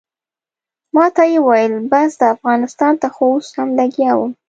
ماته یې وویل بس ده افغانستان ته خو اوس هم لګیا وم.